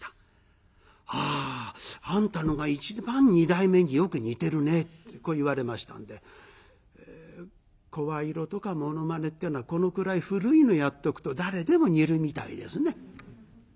「ああんたのが一番二代目によく似てるね」ってこう言われましたので声色とかものまねっていうのはこのくらい古いのやっとくと誰でも似るみたいですね。